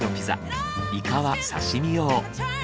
イカは刺身用。